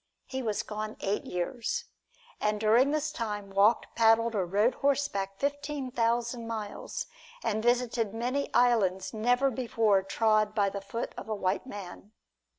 He was gone eight years, and during this time, walked, paddled or rode horseback fifteen thousand miles, and visited many islands never before trod by the foot of a white man.